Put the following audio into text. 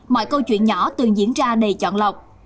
mọi câu chuyện nhỏ từng diễn ra đầy chọn lọc